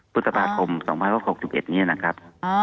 พฤษภาคม๒๐๖๑นี้นะครับ